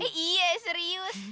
eh iya serius